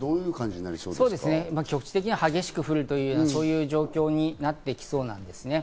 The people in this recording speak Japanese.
局地的に激しく降る、そのような状況になってきそうなんですね。